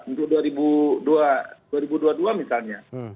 untuk dua ribu dua puluh dua misalnya